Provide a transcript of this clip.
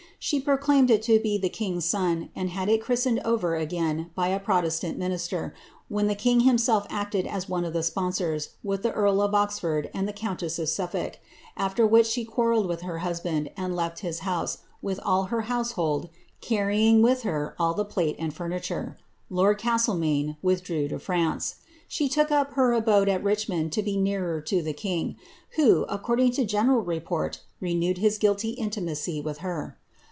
She proclaimed it to be the king^s son, and had it chris tened over again by a protectant minister, when the king himself acted as one of the sponsors, with the earl of Oxford and the countess of Suf folk ; after which she quarrelled with her husband, and led his house, with all her household, carrying away with her all the plate and furni ture. Lord Castlemaine withdrew to France. She took up her abode at Richmond to be nearer to the king, who, according to general report, renewed his guilty intimacy with her.'